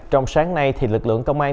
trong sáng nay thì lực lượng công an